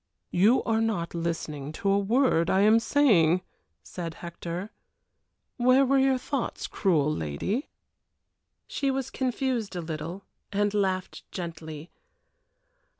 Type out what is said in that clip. "You are not listening to a word I am saying!" said Hector. "Where were your thoughts, cruel lady?" She was confused a little, and laughed gently.